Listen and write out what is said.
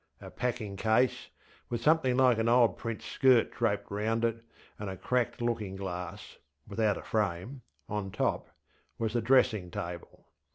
A packing case, with something like an old print skirt draped round it, and a cracked looking glass (without a frame) on top, was the dressing table.